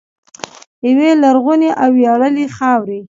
یوې لرغونې او ویاړلې خاورې.